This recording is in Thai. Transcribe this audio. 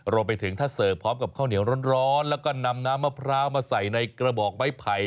รวมไปถึงถ้าเสิร์ฟพร้อมกับข้าวเหนียวร้อนแล้วก็นำน้ำมะพร้าวมาใส่ในกระบอกไม้ไผ่